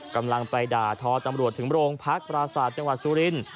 กำลังไปด่าทอตำรวจถึงโรงพักปราศาสตร์จังหวัดสุรินทร์